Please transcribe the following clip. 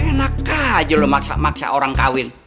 enak aja loh maksa maksa orang kawin